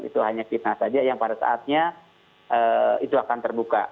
itu hanya fitnah saja yang pada saatnya itu akan terbuka